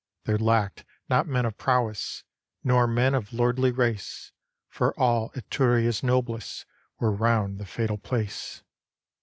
There lacked not men of prowess, Nor men of lordly race; For all Etruria's noblest Were round the fatal place.